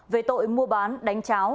về tội mua bán đánh cháo